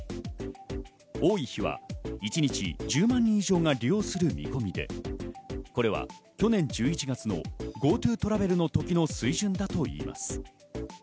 多い日は一日１０万人以上が利用する見込みで、これは去年１１月のＧｏＴｏトラベルの時の水準だといいます。